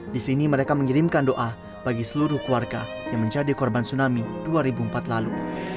di sini mereka mengirimkan doa bagi seluruh keluarga yang menjadi korban tsunami dua ribu empat lalu